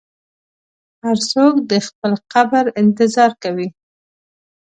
هر څوک د خپل قبر انتظار کوي.